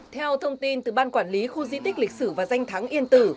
theo thông tin từ ban quản lý khu di tích lịch sử và danh thắng yên tử